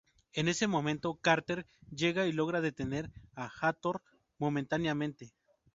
En ese momento, Carter llega y logra detener a Hathor momentáneamente.